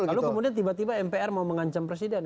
lalu kemudian tiba tiba mpr mau mengancam presiden